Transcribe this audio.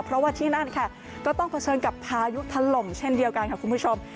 เพราะว่าที่นั่นค่ะก็ต้องเผชิญกับพายุถล่มเช่นเดียวกันค่ะคุณผู้ชม